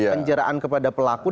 penjeraan kepada pelaku